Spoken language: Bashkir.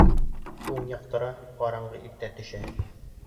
Һуң яҡтыра, ҡараңғы иртә төшә.